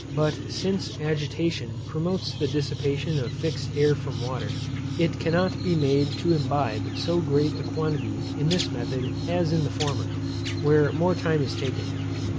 But since agitation promotes the dissipation of fixed air from water, it cannot be made to imbibe so great a quantity in this method as in the former, where more time is taken.